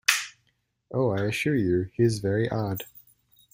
Oh, I assure you he is very odd!